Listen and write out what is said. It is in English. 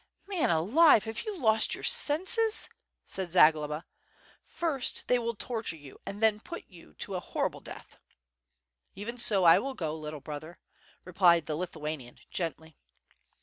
"Man alive, have you lost your senses?'" said Zagloba. "First they will torture you and then put you to a horrible death." "Even so I will go, little brother," replied the Lithuanian gently.